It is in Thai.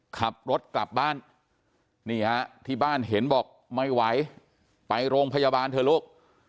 ขับรถกลับบ้านนี่ฮะที่บ้านเห็นบอกไม่ไหวไปโรงพยาบาลเถอะลูก